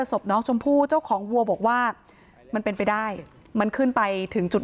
ศพน้องชมพู่เจ้าของวัวบอกว่ามันเป็นไปได้มันขึ้นไปถึงจุด